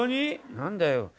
何だよ。